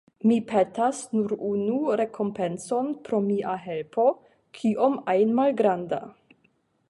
Mi petas nur unu rekompencon pro mia helpo, kiom ajn malgranda.